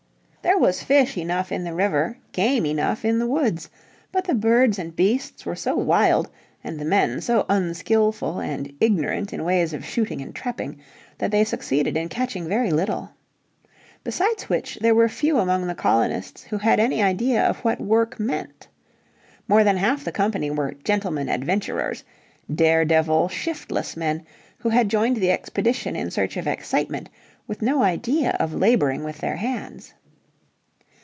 There was fish enough in the river, game enough in the woods. But the birds and beasts were so wild, and the men so unskilful and ignorant in ways of shooting and trapping, that they succeeded in catching very little. Besides which there were few among the colonists who had any idea of what work meant. More than half the company were "gentlemen adventurers," dare devil, shiftless men who had joined the expedition in search of excitement with no idea of labouring with their hands.